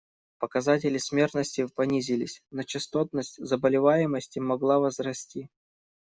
Показатели смертности понизились, но частотность заболеваемости могла возрасти.